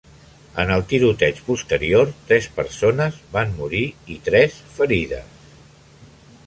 En el tiroteig posterior, tres persones van morir i tres ferides.